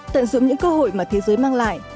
tận dụng những cơ hội mà thế giới mang lại